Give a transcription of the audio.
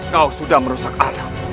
kau sudah merusak alam